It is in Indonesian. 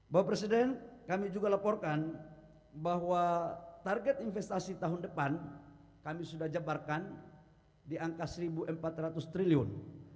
bapak presiden kami juga laporkan bahwa target investasi tahun depan kami sudah jabarkan di angka rp satu empat ratus triliun